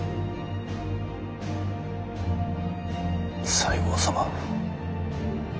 西郷様。